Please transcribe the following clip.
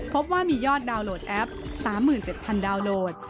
พบว่ามียอดดาวน์โหลดแอป๓๗๐๐ดาวนโหลด